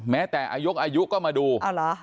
แม้แต่อายุก็มาดู